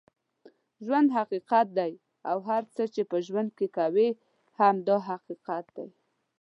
ژوند حقیقت دی اوهر څه چې په ژوند کې کوې هم دا حقیقت دی